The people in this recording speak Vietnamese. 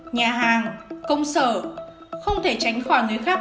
nhà hàng công sở không thể tránh khỏi nơi khác